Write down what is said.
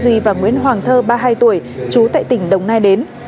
nguyễn văn mật và nguyễn hoàng thơ ba mươi hai tuổi chú tại tỉnh đồng nai đến